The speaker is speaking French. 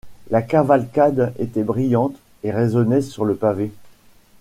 La cavalcade était brillante et résonnait sur le pavé.